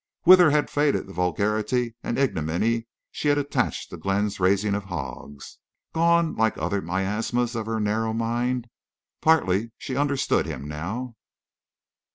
Whither had faded the vulgarity and ignominy she had attached to Glenn's raising of hogs? Gone—like other miasmas of her narrow mind! Partly she understood him now.